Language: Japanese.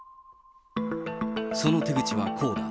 その手口はこうだ。